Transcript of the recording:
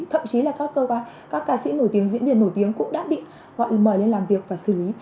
thậm chí là các ca sĩ nổi tiếng diễn biến nổi tiếng cũng đã bị gọi mời lên làm việc và xử lý